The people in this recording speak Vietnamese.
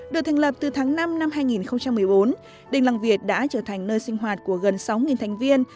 được thành lập từ tháng năm năm hai nghìn một mươi bốn đình làng việt đã trở thành nơi sinh hoạt của gần sáu thành viên